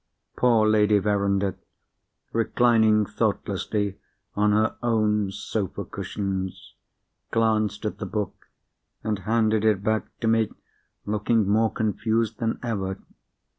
Poor Lady Verinder (reclining thoughtlessly on her own sofa cushions) glanced at the book, and handed it back to me looking more confused than ever.